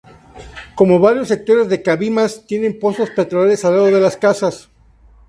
Como varios sectores de Cabimas tiene pozos petroleros al lado de las casas.